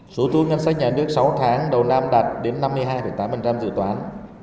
số thu ngân sách nhà nước sáu tháng đầu năm đạt đến năm mươi hai tám dự toán